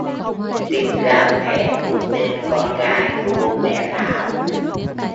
Tiếng gào thét của tên con gái của bố mẹ Thảo